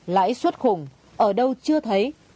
lãi suất khủng ở đâu chưa thấy